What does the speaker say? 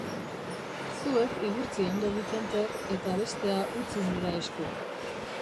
Zuek igurtzi ondo Vicente eta bestea utzi nire esku.